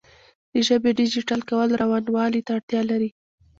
د ژبې ډیجیټل کول روانوالي ته اړتیا لري.